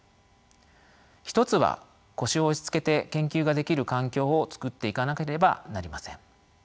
一つは腰を落ち着けて研究ができる環境をつくっていかなければなりません。